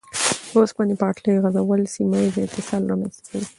د اوسپنې پټلۍ غځول سیمه ییز اتصال رامنځته کوي.